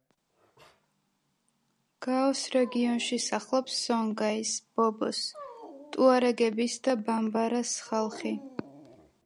გაოს რეგიონში სახლობს სონგაის, ბობოს, ტუარეგების და ბამბარას ხალხი.